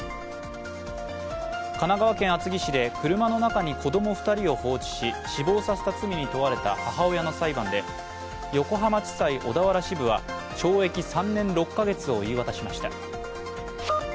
神奈川県厚木市で車の中に子ども２人を放置し死亡させた罪に問われた母親の裁判で横浜地裁小田原支部は懲役３年６か月を言い渡しました。